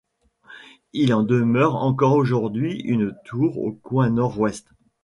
Il en demeure encore aujourd'hui une tour au coin nord-ouest.